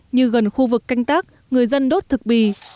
như gần khu vực canh tác người dân đốt thực bì